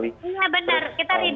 iya bener kita readingnya aja online ya